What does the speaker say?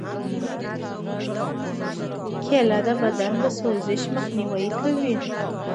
کېله د بدن د سوزش مخنیوی کوي.